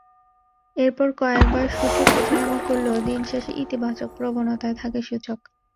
এরপর কয়েকবার সূচক ওঠানামা করলেও দিন শেষে ইতিবাচক প্রবণতায় থাকে সূচক।